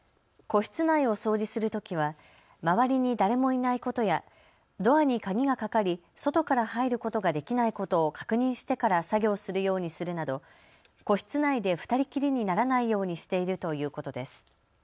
個室内を掃除するときは周りに誰もいないことやドアに鍵がかかり、外から入ることができないことを確認してから作業するようにするなど個室内で２人きりにならないようにしているということです。